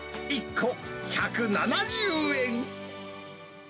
１個１７０円。